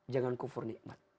jangan kufur nikmat